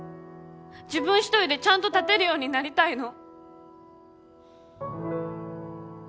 自分一人でちゃんと立てるようになりたいの。